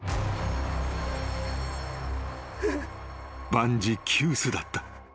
［万事休すだった。